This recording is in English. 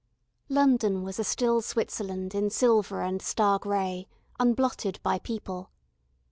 London was a still Switzerland in silver and star grey, unblotted by people.